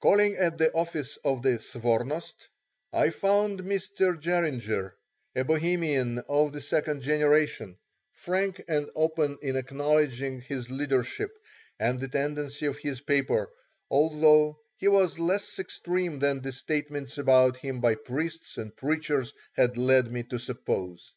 Calling at the office of the Svornost, I found Mr. Geringer, a Bohemian of the second generation, frank and open in acknowledging his leadership and the tendency of his paper, although he was less extreme than the statements about him by priests and preachers had led me to suppose.